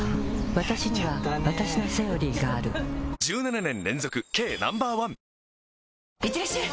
わたしにはわたしの「セオリー」がある１７年連続軽ナンバーワンいってらっしゃい！